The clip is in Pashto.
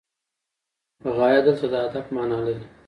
غایه دلته د هدف معنی لري.